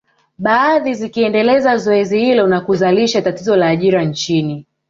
Baadhi zikiendeleza zoezi hilo na kuzalisha tatizo la ajira nchini